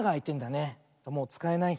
もうつかえない。